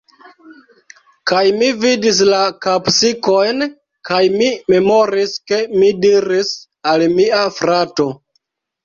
Kaj mi vidis la kapsikojn kaj mi memoris ke mi diris al mia frato: